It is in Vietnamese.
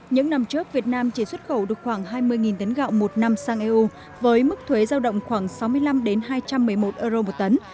những năm trước việt nam chỉ xuất khẩu được khoảng hai mươi tấn gạo một năm sang eu với mức thuế giao động khoảng sáu mươi năm hai trăm một mươi một euro một tấn